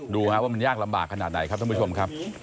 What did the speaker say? ดูว่ามันยากลำบากขนาดไหนครับท่านผู้ชมครับ